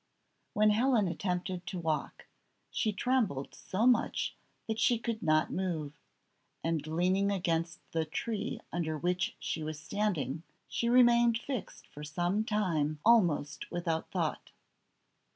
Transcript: When Helen attempted to walk, she trembled so much that she could not move, and leaning against the tree under which she was standing, she remained fixed for some time almost without thought.